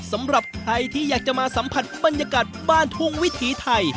สำหรับใครที่อยากจะมาสัมผัสบรรยากาศบ้านทุ่งวิถีไทย